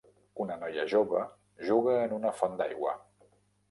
Una noia jove juga en una font d'aigua.